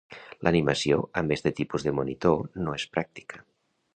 L'animació amb este tipus de monitor no és pràctica.